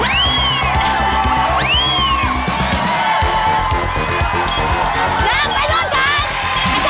แล้วแล้วยอม